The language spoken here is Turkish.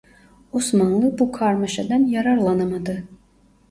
Osmanlı bu karmaşadan yararlanamadı.